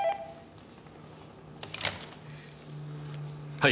はい。